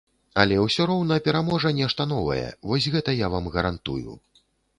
Але ўсё роўна пераможа нешта новае, вось гэта я вам гарантую.